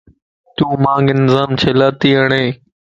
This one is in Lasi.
تون مانت الزام چھيلاتي ھڙين؟